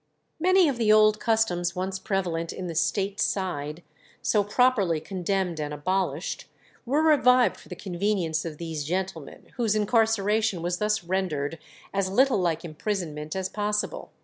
Many of the old customs once prevalent in the State Side, so properly condemned and abolished, were revived for the convenience of these gentlemen, whose incarceration was thus rendered as little like imprisonment as possible.